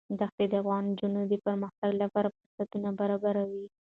دښتې د افغان نجونو د پرمختګ لپاره فرصتونه برابروي.